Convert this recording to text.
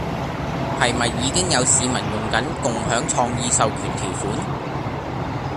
係咪已經有市民用緊共享創意授權條款？